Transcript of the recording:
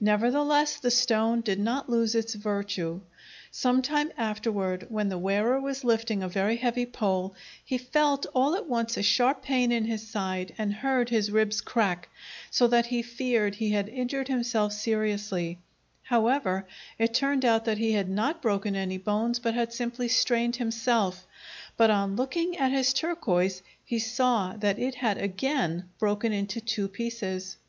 Nevertheless the stone did not lose its virtue. Some time afterward, when the wearer was lifting a very heavy pole, he felt all at once a sharp pain in his side and heard his ribs crack, so that he feared he had injured himself seriously. However, it turned out that he had not broken any bones but had simply strained himself; but, on looking at his turquoise, he saw that it had again broken into two pieces. [Illustration: TURQUOISE NECKLACE, THIBET. Field Museum, Chicago.